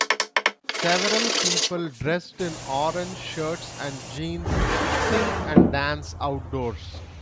Several people dressed in orange shirts and jeans sing and dance outdoors.